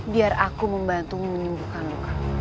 biar aku membantu menyembuhkan lo